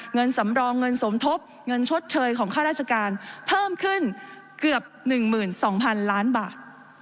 เงินสำรองเงินสมทบเงินชดเชยของค่าราชการเพิ่มขึ้นเกือบ๑๒๐๐๐ล้านบาท